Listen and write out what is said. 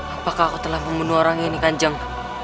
apakah aku telah membunuh orang ini kanjeng